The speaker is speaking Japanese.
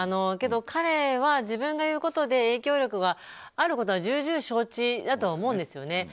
けど、彼は自分が言うことで影響力があることは重々承知だと思うんですよね。